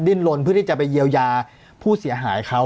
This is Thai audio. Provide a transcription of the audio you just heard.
ลนเพื่อที่จะไปเยียวยาผู้เสียหายเขา